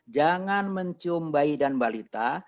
jangan mencium bayi dan balita